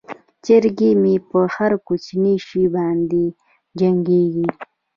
چرګې مې په هر کوچني شي باندې جنګیږي.